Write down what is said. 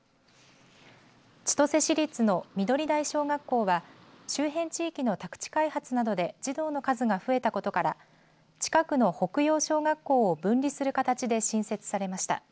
千歳市立のみどり台小学校は周辺地域の宅地開発などで児童の数が増えたことから近くの北陽小学校を分離する形で新設されました。